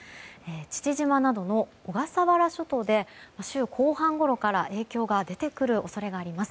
父島などの小笠原諸島で週後半ごろから影響が出てくる恐れがあります。